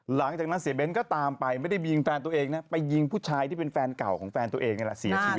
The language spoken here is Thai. หลังจากนั้นเสียเน้นก็ตามไปไม่ได้ยิงแฟนตัวเองนะไปยิงผู้ชายที่เป็นแฟนเก่าของแฟนตัวเองนี่แหละเสียชีวิต